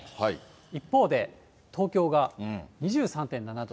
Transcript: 一方で、東京が２３．７度。